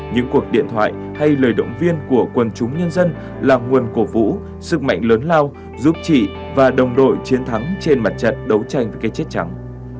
những cuộc điện thoại hay lời động viên của quần chúng nhân dân là nguồn cổ vũ sức mạnh lớn lao giúp chị và đồng đội chiến thắng trên mặt trận đấu tranh với cái chết trắng